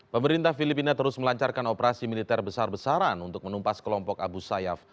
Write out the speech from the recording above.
pemerintah filipina terus melancarkan operasi militer besar besaran untuk menumpas kelompok abu sayyaf